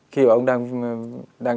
khi ông đang